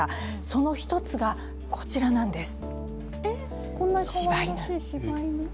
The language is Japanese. その一つが、こちらなんです。